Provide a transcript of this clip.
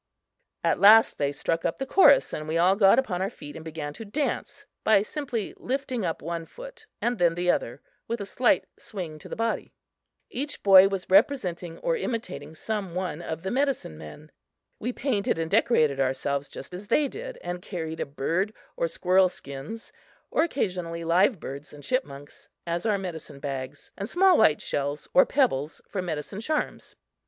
At last they struck up the chorus and we all got upon our feet and began to dance, by simply lifting up one foot and then the other, with a slight swing to the body. Each boy was representing or imitating some one of the medicine men. We painted and decorated ourselves just as they did and carried bird or squirrel skins, or occasionally live birds and chipmunks as our medicine bags and small white shells or pebbles for medicine charms.